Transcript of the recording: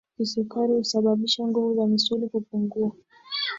kisukari husababisha nguvu za misuli kupungua